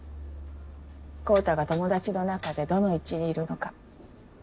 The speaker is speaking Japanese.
昂太が友達の中でどの位置にいるのか。